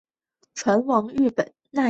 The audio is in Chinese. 船王日本奈良时代皇族。